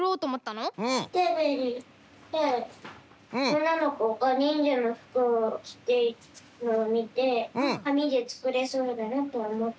テレビでおんなのこがにんじゃのふくをきているのをみてかみでつくれそうだなとおもったからです。